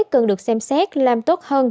cần được xem xét làm tốt hơn